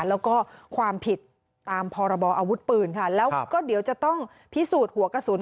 แล้วก็ความผิดตามพรบออาวุธปืนค่ะแล้วก็เดี๋ยวจะต้องพิสูจน์หัวกระสุน